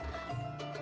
bisa kok sahur